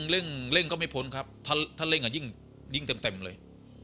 เร่งก็ไม่พ้นครับถ้าเร่งยิ่งเต็มเลย